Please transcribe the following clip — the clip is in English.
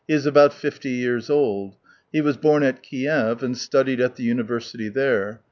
He is about fifty years old. He was bora at Kiev, and studied at the university there.